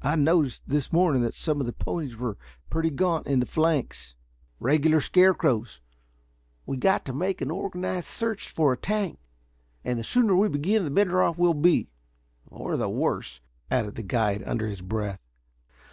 "I noticed this morning that some of the ponies were pretty gaunt in the flanks." "Regular scarecrows. We've got to make an organized search for a tank, and the sooner we begin the better off we'll be or the worse," added the guide under his breath.